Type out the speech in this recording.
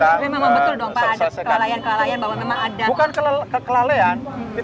tapi memang betul dong pak ada kelalaian kelalaian bahwa memang ada kelalaian